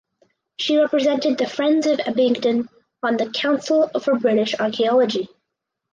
She represented the Friends of Abingdon on the Council for British Archaeology.